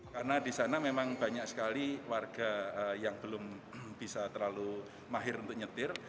karena di sana memang banyak sekali warga yang belum bisa terlalu mahir untuk nyetir